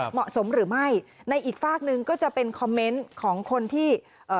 เหมาะสมหรือไม่ในอีกฝากหนึ่งก็จะเป็นคอมเมนต์ของคนที่เอ่อ